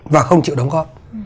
và không chịu đóng góp